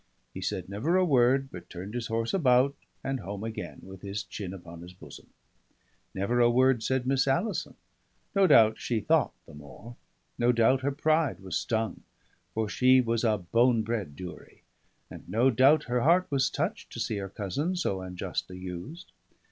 He said never a word, but turned his horse about, and home again, with his chin upon his bosom. Never a word said Miss Alison; no doubt she thought the more; no doubt her pride was stung, for she was a bone bred Durie; and no doubt her heart was touched to see her cousin so unjustly used.